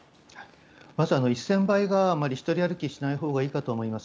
まず１０００倍があまり独り歩きしないほうがいいかと思います。